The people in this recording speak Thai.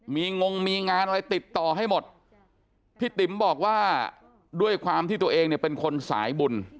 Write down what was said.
มีงงมีงานอะไรติดต่อให้หมดพี่ติ๋มบอกว่าด้วยความที่ตัวเองเนี่ยเป็นคนสายบุญ